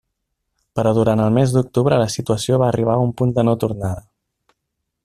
Però durant el mes d'octubre la situació va arribar a un punt de no tornada.